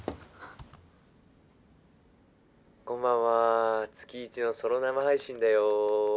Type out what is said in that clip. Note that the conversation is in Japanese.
「こんばんは月１のソロ生配信だよ」